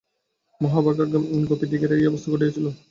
মহাভাগা গোপীদিগেরও এই অবস্থা ঘটিয়াছিল।